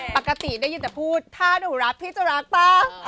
ปกติได้ยินแต่พูดถ้าหนูรักพี่จะรักป่ะ